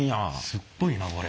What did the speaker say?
すっごいなこれ。